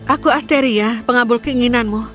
aku asteria pengabul keinginanmu